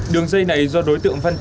đường dây này do đối tượng phòng dịch